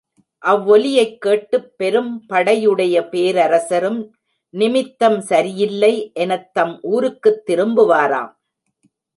அவ்வொலியைக் கேட்டுப் பெரும் படையு டைய பேரரசரும், நிமித்தம் சரியில்லை எனத் தம் ஊருக்குத் திரும்புவராம்.